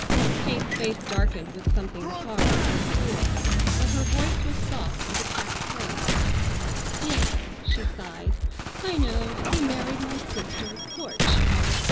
Kate's face darkened with something hard and cruel, but her voice was soft as a cat's purr: "Yes," she sighed, "I know. He married my sister. Poor child!